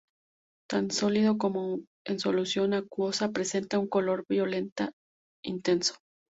Tanto sólido como en solución acuosa presenta un color violeta intenso.